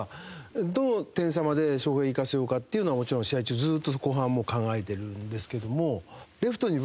どの点差まで翔平をいかせようかっていうのはもちろん試合中ずっと後半は考えてるんですけども。